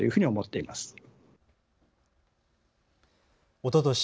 おととし